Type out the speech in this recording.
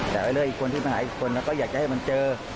แต่เรื่องอีกคนที่มาหาอีกคนก็อยากจะให้มันเจอ